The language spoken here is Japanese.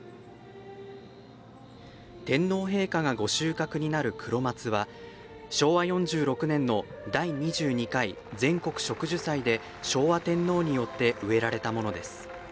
天皇陛下が御収穫になるクロマツは昭和４６年の「第２２回全国植樹祭」で昭和天皇によって植えられたものです。